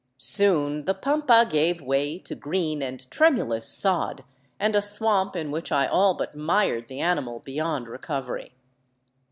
Soon the pampa gave way to green and tremulous sod, and a swamp in which I all but mired the animal beyond recovery.